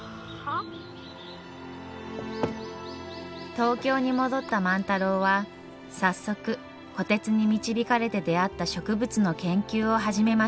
東京に戻った万太郎は早速虎鉄に導かれて出会った植物の研究を始めました。